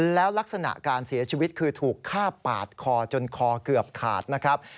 แล้วลักษณะการเสียชีวิตคือถูกฆ่าปาดคอจนคอเกือบขาดนะครับ